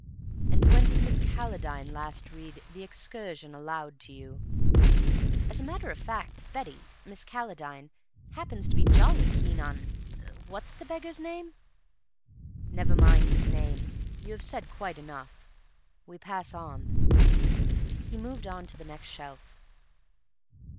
And when did Miss Calladine last read 'The Excursion' aloud to you?" "As a matter of fact, Betty—Miss Calladine—happens to be jolly keen on—what's the beggar's name?" "Never mind his name. You have said quite enough. We pass on." He moved on to the next shelf.